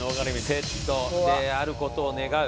セットである事を願う。